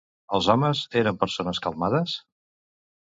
Els homes eren persones calmades?